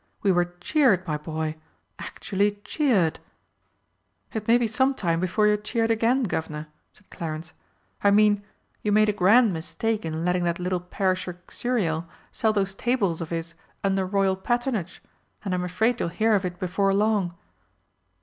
We were cheered, my boy, actually cheered!" "It may be some time before you're cheered again, Guv'nor," said Clarence. "I mean, you made a grand mistake in letting that little perisher Xuriel sell those tables of his 'Under Royal patronage,' and I'm afraid you'll hear of it before long."